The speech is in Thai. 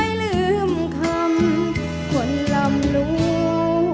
ไม่เคยลืมคำคนลำลูกกา